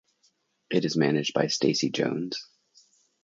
It is managed by Stacy Jones.